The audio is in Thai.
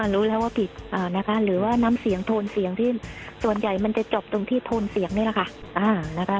รู้แล้วว่าผิดนะคะหรือว่าน้ำเสียงโทนเสียงที่ส่วนใหญ่มันจะจบตรงที่โทนเสียงนี่แหละค่ะ